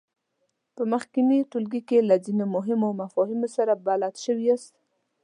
په مخکېني ټولګي کې له ځینو مهمو مفاهیمو سره بلد شوي یاست.